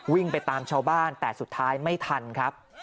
วิ่งไปตามชาวบ้านแต่สุดท้ายไม่ทันครับ